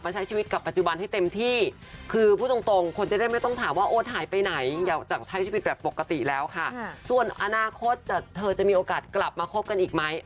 ส่วนอนาคตเธอจะมีโอกาสกลับมาคบกันอีกไหม